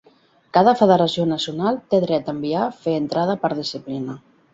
Cada federació nacional té dret a enviar fer entrada per disciplina.